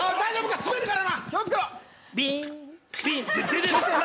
滑るからな。